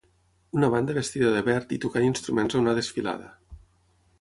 Una banda vestida de verd i tocant instruments a una desfilada.